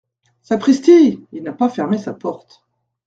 Sapristi ! il n’a pas fermé sa porte.